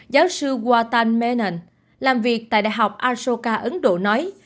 giáo sư watan menon làm việc tại đại học ashoka ấn độ nói